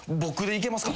いけますか？